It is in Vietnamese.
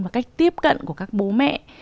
và cách tiếp cận của các bố mẹ